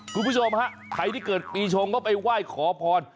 คุณผู้ชมฮะใครที่เกิดปีชงก็ไปไหว้ขอพร